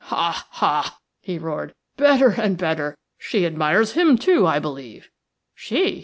"Ha, ha!" he roared. "Better and better. She admires him, too, I believe." "She!"